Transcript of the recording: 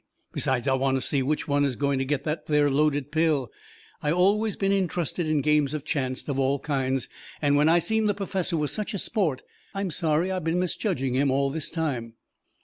Besides, I want to see which one is going to get that there loaded pill. I always been intrusted in games of chancet of all kinds, and when I seen the perfessor was such a sport, I'm sorry I been misjudging him all this time.